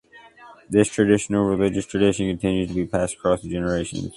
This traditional religious tradition continues to be passed across the generations.